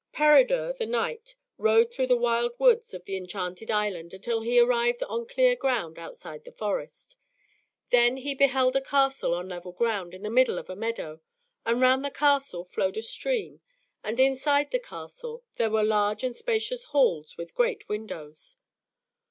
Peredur, the knight, rode through the wild woods of the Enchanted Island until he arrived on clear ground outside the forest. Then he beheld a castle on level ground in the middle of a meadow; and round the castle flowed a stream, and inside the castle there were large and spacious halls with great windows.